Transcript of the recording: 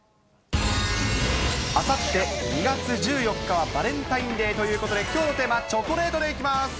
あさって２月１４日はバレンタインデーということで、きょうのテーマ、チョコレートでいきます。